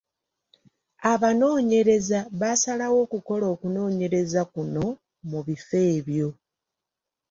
Abanoonyereza baasalawo okukola okunoonyereza kuno mu bifo ebyo.